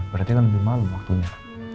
berarti kan lebih malam waktunya